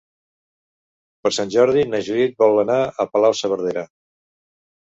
Per Sant Jordi na Judit vol anar a Palau-saverdera.